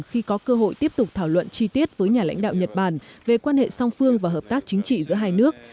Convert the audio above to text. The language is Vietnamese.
khi có cơ hội tiếp tục thảo luận chi tiết với nhà lãnh đạo nhật bản về quan hệ song phương và hợp tác chính trị giữa hai nước